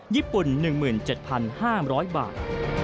ญี่ปุ่น๑๗๕๐๐บาท